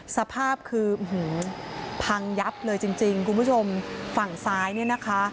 สภาพคือพังยับเลยจริงจริงคุณผู้ชมฝั่งซ้ายเนี่ยนะคะ